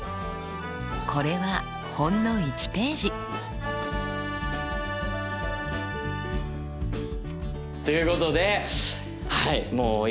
これはほんの１ページ。ということではい